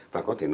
và có thể nói đó